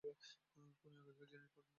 খুনি আগেকার জিনিস পছন্দ করে।